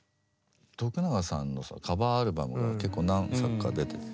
永さんのそのカバーアルバムも結構何作か出てて。